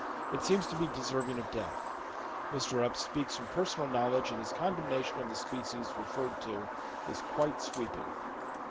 It seems to be deserving of death. Mr. Upp speaks from personal knowledge, and his condemnation of the species referred to is quite sweeping.